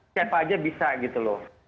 siapa aja bisa gitu loh